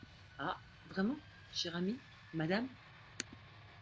Ah ! vraiment, cher ami, madame !